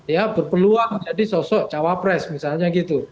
ya berpeluang jadi sosok cawapres misalnya gitu